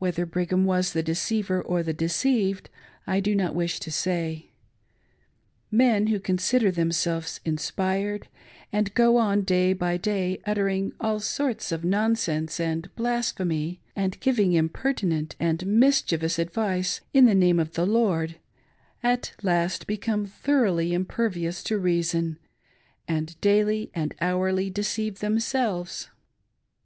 Whether Brigham was the deceiver or the deceived, I do not wish to say. Men who consider themselves inspired, and go on day by day uttering all sorts of nonsense and blasphemy, and giving impertinent and mischievous advice in the " name of the Lord," at last become thoroughly impervious to reason, and daily and hourly deceive themselves.